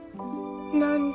何で？